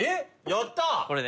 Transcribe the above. やった。